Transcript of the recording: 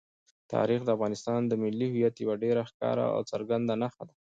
تاریخ د افغانستان د ملي هویت یوه ډېره ښکاره او څرګنده نښه ده.